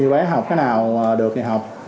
bé học cái nào được thì học